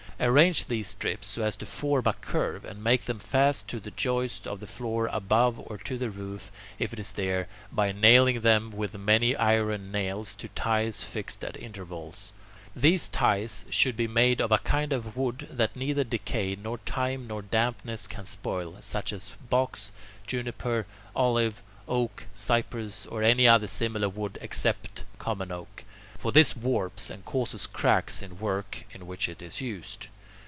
Arrange these strips so as to form a curve, and make them fast to the joists of the floor above or to the roof, if it is there, by nailing them with many iron nails to ties fixed at intervals. These ties should be made of a kind of wood that neither decay nor time nor dampness can spoil, such as box, juniper, olive, oak, cypress, or any other similar wood except common oak; for this warps, and causes cracks in work in which it is used.